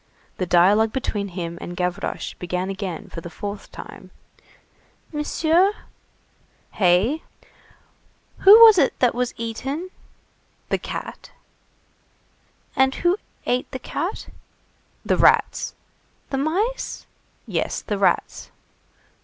The dialogue between him and Gavroche began again for the fourth time:— "Monsieur?" "Hey?" "Who was it that was eaten?" "The cat." "And who ate the cat?" "The rats." "The mice?" "Yes, the rats."